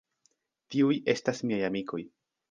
Tiuj estas miaj amikoj.